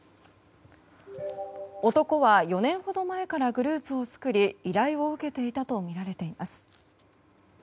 男は、４年ほど前からグループを作り依頼を受けていたとみられています。